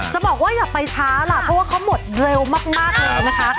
จะบอกว่าอย่าไปช้าล่ะเพราะว่าเขาหมดเร็วมากเลยนะคะ